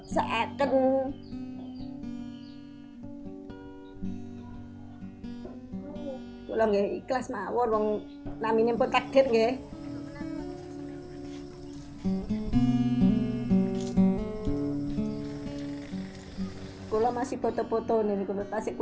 saya merasa ketat di satu forests itu